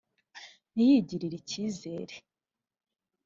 ntiyigirire icyizere